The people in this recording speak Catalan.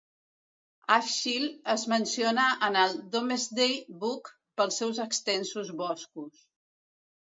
Ashill es menciona en el Domesday Book pels seu extensos boscos.